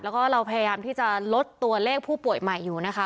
แล้วก็เราพยายามที่จะลดตัวเลขผู้ป่วยใหม่อยู่นะคะ